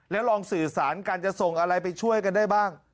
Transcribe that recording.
แล้วลองสื่อสารกันจะส่งอะไรไปช่วยกันได้บ้าง